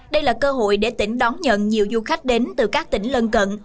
đây là cơ hội để tỉnh đón nhận nhiều du khách đến từ các tỉnh lân cận